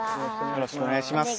よろしくお願いします。